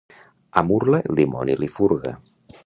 A Murla, el dimoni li furga.